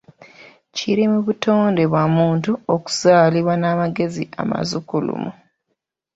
Kiri mu butonde bwa muntu okuzaalibwa n'amagezi amasukkulumu.